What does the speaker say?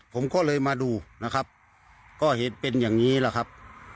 ผมก็เลยมาดูนะครับก็เห็นเป็นอย่างนี้แหละครับ